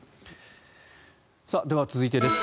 では、続いてです。